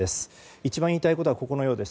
一番言いたいことはここのようです。